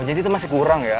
jadi itu masih kurang ya